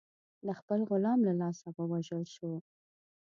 د خپل غلام له لاسه ووژل شو.